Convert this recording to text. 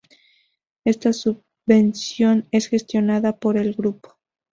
Esta subvención es gestionada por el grupo.